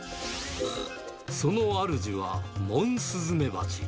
そのあるじは、モンスズメバチ。